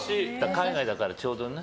海外だから、ちょうどね。